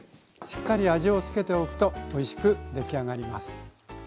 しっかり味をつけておくとおいしくでき上がります。